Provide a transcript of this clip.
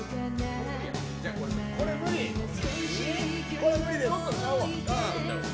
これ無理です。